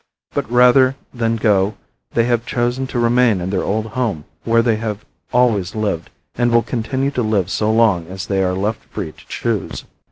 But rather than go they have chosen to remain in their old home where they have always lived, and will continue to live so long as they are left free to choose.